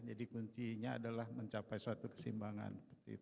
jadi kuncinya adalah mencapai suatu kesimbangan